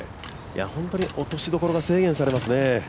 落としどころが制限されますね。